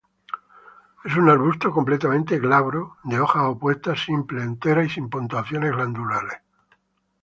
Es un arbusto completamente glabro, de hojas opuestas, simples, enteras y sin puntuaciones glandulares.